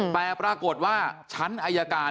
แต่ปรากฏว่าชั้นอายการ